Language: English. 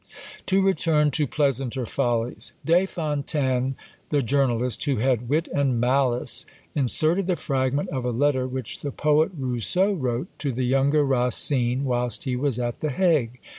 To return to pleasanter follies. Des Fontaines, the journalist, who had wit and malice, inserted the fragment of a letter which the poet Rousseau wrote to the younger Racine whilst he was at the Hague.